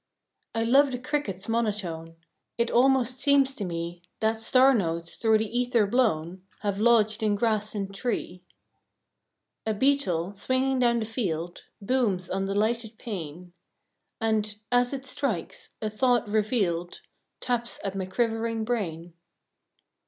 I love the cricket's monotone; It almost seems to me That star notes, through the ether blown, Have lodged in grass and tree. A beetle, swinging down the field, Booms on the lighted pane; And, as it strikes, a thought revealed Taps at my quivering brain.